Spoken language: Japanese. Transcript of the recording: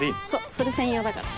それ専用だから。